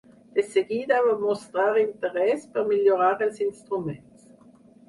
De seguida va mostrar interès per millorar els instruments.